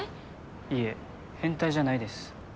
いいえ変態じゃないです。